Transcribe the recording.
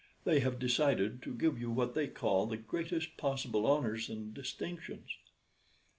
They have decided to give you what they call the greatest possible honors and distinctions."